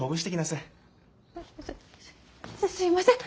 すいません。